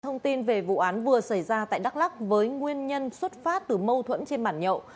thông tin về vụ án vừa xảy ra tại đắk lắk với nguyên nhân xuất phát từ mâu thuẫn trên bản nhậu